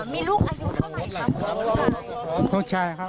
มีลูกอายุเพราะไหนครับ